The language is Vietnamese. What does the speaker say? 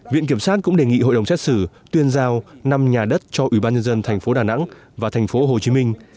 viện kiểm sát cũng đề nghị hội đồng xét xử tuyên giao năm nhà đất cho ủy ban nhân dân tp đà nẵng và tp hồ chí minh